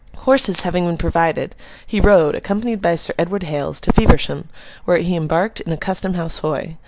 Horses having been provided, he rode, accompanied by Sir Edward Hales, to Feversham, where he embarked in a Custom House Hoy.